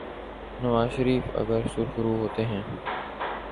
نواز شریف اگر سرخرو ہوتے ہیں۔